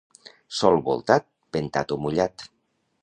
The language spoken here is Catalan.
Sol voltat, ventat o mullat.